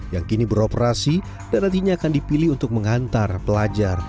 yang kini beroperasi dan nantinya akan dipilih untuk mengantar pelajar